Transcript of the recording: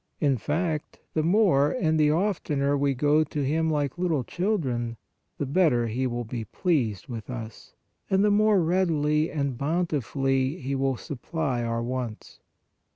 In fact, the more and the oftener we go to Him like little children, the better He will be pleased with us, and the more readily and bountifully He will supply our wants.